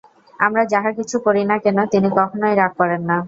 আমরা যাহা কিছু করি না কেন, তিনি কখনই রাগ করেন না।